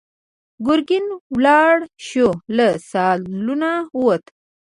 ګرګين ولاړ شو، له سالونه ووت.